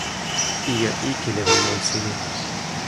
ijo ike li lon monsi mi.